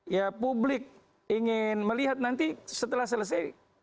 ya publik ingin melihat nanti setelah selesai